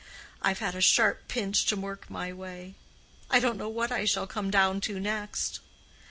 I've had a sharp pinch to work my way; I don't know what I shall come down to next.